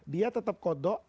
dia tetap kodok